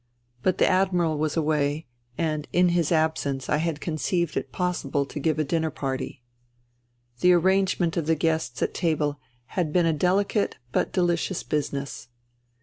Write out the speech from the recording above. But the Admiral was aw^ay, and in his absence I had conceived it possible to give a dinner party. The arrangement of the guests at table had been a delicate but delicious business.